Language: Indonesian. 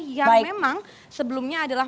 yang memang sebelumnya adalah